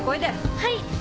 はい。